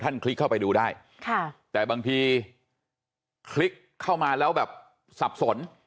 คลิกเข้าไปดูได้ค่ะแต่บางทีคลิกเข้ามาแล้วแบบสับสน